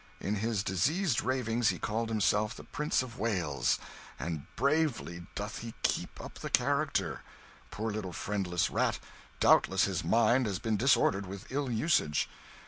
In his diseased ravings he called himself the Prince of Wales, and bravely doth he keep up the character. Poor little friendless rat, doubtless his mind has been disordered with ill usage.